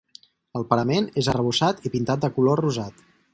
El parament és arrebossat i pintat de color rosat.